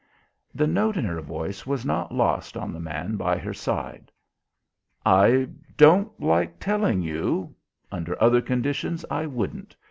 The note in her voice was not lost on the man by her side. "I don't like telling you under other conditions I wouldn't.